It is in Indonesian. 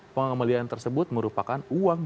pengambilan tersebut merupakan uang